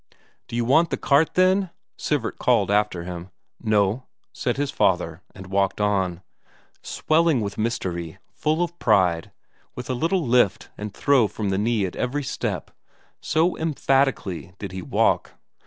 "D'you want the cart, then?" Sivert called after him. "No," said his father, and walked on. Swelling with mystery, full of pride; with a little lift and throw from the knee at every step, so emphatically did he walk.